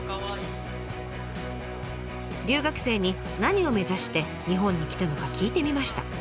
留学生に何を目指して日本に来たのか聞いてみました。